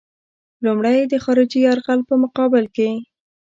لومړی یې د خارجي یرغل په مقابل کې.